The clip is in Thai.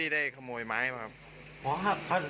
ให้ผมคุยก่อน